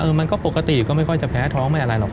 มันก็ปกติก็ไม่ค่อยจะแพ้ท้องไม่อะไรหรอก